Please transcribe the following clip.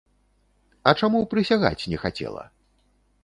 А чаму прысягаць не хацела?